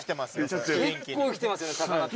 結構生きてますよね魚って。